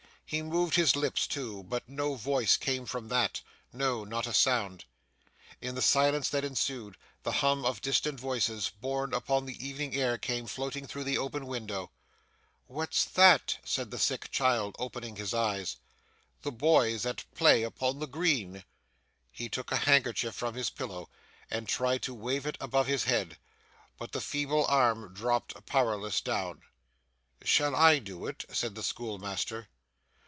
He moved his lips too, but no voice came from them; no, not a sound. In the silence that ensued, the hum of distant voices borne upon the evening air came floating through the open window. 'What's that?' said the sick child, opening his eyes. 'The boys at play upon the green.' He took a handkerchief from his pillow, and tried to wave it above his head. But the feeble arm dropped powerless down. 'Shall I do it?' said the schoolmaster.